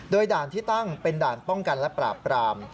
โดยด่านที่ตั้งเป็นด่านป้องกันและปราบปราม